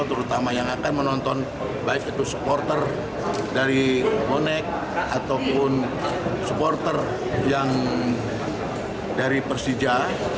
terutama yang akan menonton baik itu supporter dari bonek ataupun supporter yang dari persija